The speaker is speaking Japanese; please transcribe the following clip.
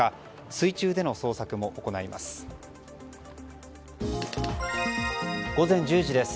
水中での捜索も行います。